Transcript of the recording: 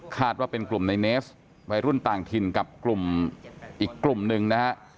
ว่าเป็นกลุ่มในเนสวัยรุ่นต่างถิ่นกับกลุ่มอีกกลุ่มหนึ่งนะฮะ